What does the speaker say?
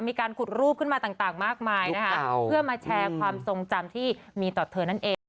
มีการขุดรูปขึ้นมาต่างมากมายนะคะเพื่อมาแชร์ความทรงจำที่มีต่อเธอนั่นเอง